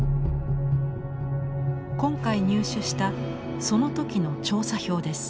今回入手したその時の調査票です。